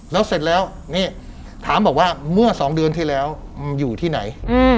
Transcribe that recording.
แล้วเสร็จแล้วนี่ถามบอกว่าเมื่อ๒เดือนที่แล้วอยู่ที่ไหน